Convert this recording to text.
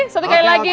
satu kali lagi